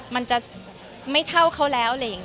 มันจะไม่เท่าเขาแล้ว